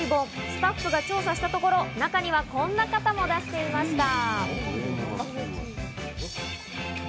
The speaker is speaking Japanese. スタッフが調査したところ、中にはこんな方も出していました。